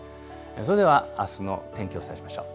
それではあすの天気、お伝えしましょう。